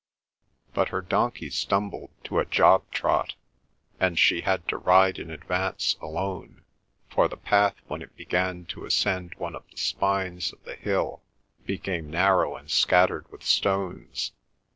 But her donkey stumbled to a jog trot, and she had to ride in advance alone, for the path when it began to ascend one of the spines of the hill became narrow and scattered with stones.